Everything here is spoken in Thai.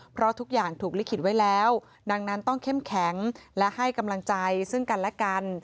เพราะทุกอย่างถูกลิขิตไว้แล้วดังนั้นต้องเข้มแข็งและให้กำลังใจซึ่งกันและกัน